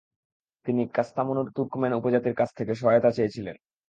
তিনি কাস্তামনুর তুর্কমেন উপজাতির কাছ থেকে সহায়তা চেয়েছিলেন।